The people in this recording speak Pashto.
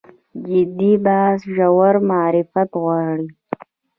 جدي بحث ژور معرفت غواړي.